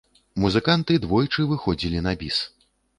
Музыканты двойчы выходзілі на біс.